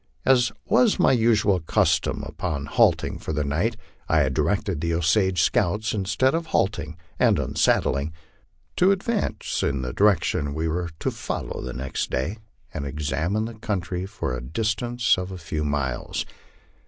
As was my usual custom upon halting for the night, I had directed the Osage scouts, instead of halting and unsad dling, to advance in the direction we were to follow next day, and examine the country for a distance of a few miles.